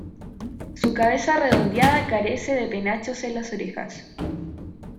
Su cabeza redondeada carece de penachos en las orejas.